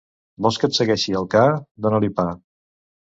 Vols que et segueixi el ca? Dona-li pa.